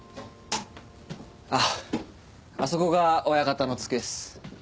あっあそこが親方の机っす。